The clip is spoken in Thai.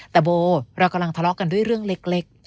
แต่โบเรากำลังทะเลาะกันด้วยเรื่องเล็ก